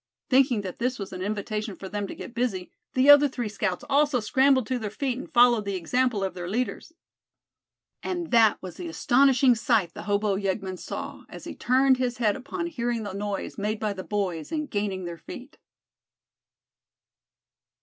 Thinking that this was an invitation for them to get busy, the other three scouts also scrambled to their feet, and followed the example of their leaders. And that was the astonishing sight the hobo yeggman saw, as he turned his head upon hearing the noise made by the boys in gaining their feet.